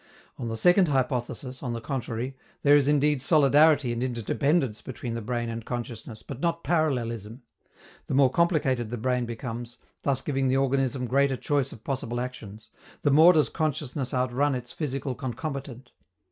On the second hypothesis, on the contrary, there is indeed solidarity and interdependence between the brain and consciousness, but not parallelism: the more complicated the brain becomes, thus giving the organism greater choice of possible actions, the more does consciousness outrun its physical concomitant.